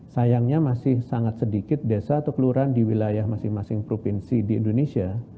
sayangnya masih sangat sedikit desa atau kelurahan di wilayah masing masing provinsi di indonesia